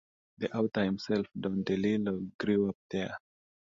The author himself, Don DeLillo, grew up there.